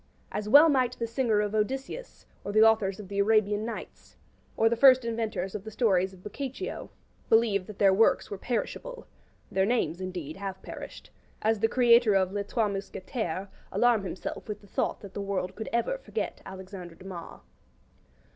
As well might the singer of Odysseus, or the authors of the 'Arabian Nights', or the first inventors of the stories of Boccaccio, believe that their works were perishable (their names, indeed, have perished), as the creator of 'Les Trois Mousquetaires' alarm himself with the thought that the world could ever forget Alexandre Dumas.